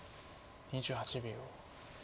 ２８秒。